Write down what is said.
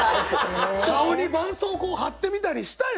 顔にばんそうこう貼ってみたりしたよ！